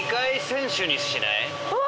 うわ！